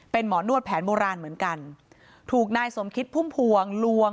เป็นหมอนวดแผนโบราณเหมือนกันถูกนายสมคิดพุ่มพวงลวง